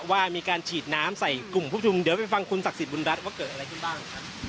ว่ามีการฉีดน้ำใส่กลุ่มผู้ชุมเดี๋ยวไปฟังคุณศักดิ์บุญรัฐว่าเกิดอะไรขึ้นบ้างครับ